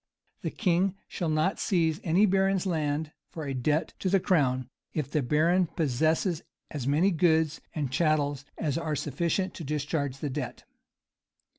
The king shall not seize any baron's land for a debt to the crown if the baron possesses as many goods and chattels as are sufficient to discharge the debt.